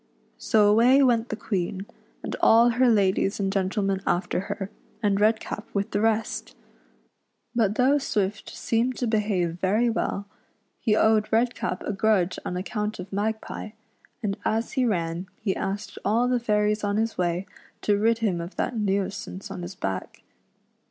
So away went the Queen, and all her ladies and gentlemen after her, and Redcap with the rest. But though Swift seemed to behave very well, he owed REDCAP'S ADVENTURES I.V I AIR VIA. WD. 97 R ';.\ip a grudge on account of Magpie, and as he ran he asked all the fairies on his way to rid him of that nuisance on his back.